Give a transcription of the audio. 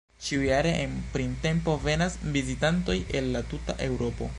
Ĉiujare en printempo venas vizitantoj el la tuta Eŭropo.